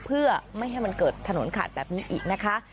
เพื่อไม่ให้มันเกิดถนนขาดแบบนี้อีกนะคะ